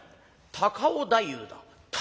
「高尾太夫？」。